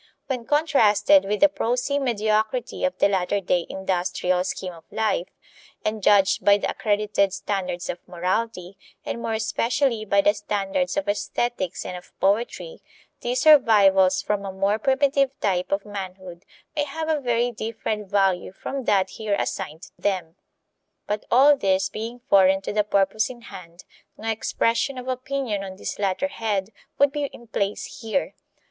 When contrasted with the prosy mediocrity of the latter day industrial scheme of life, and judged by the accredited standards of morality, and more especially by the standards of aesthetics and of poetry, these survivals from a more primitive type of manhood may have a very different value from that here assigned them. But all this being foreign to the purpose in hand, no expression of opinion on this latter head would be in place here.